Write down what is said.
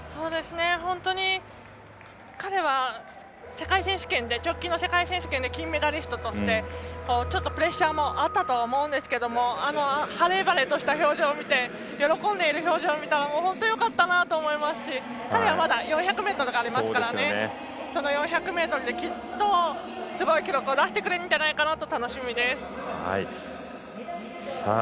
本当に彼は直近の世界選手権で金メダリストとして、ちょっとプレッシャーもあったと思うんですが晴れ晴れとした表情を見て喜んでる表情を見ると本当よかったなと思いますし彼はまだ４００ｍがありますからその４００ｍできっとすごい記録を出してくれるんじゃないかなと楽しみです。